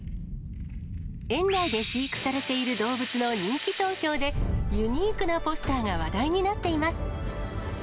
園内で飼育されている動物の人気投票で、ユニークなポスターが話題になっています。